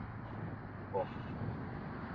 Horregatik, askotan heriotza eragiten du.